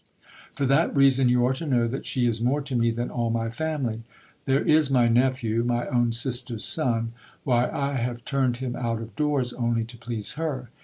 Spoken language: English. For that reason, you are to know, that she is more to me than all my family. ' There is my nephew, my own sister's son ; why, I have turned him out of doors, only to please her.